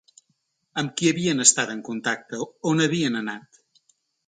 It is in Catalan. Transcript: Amb qui havien estat en contacte, on havien anat?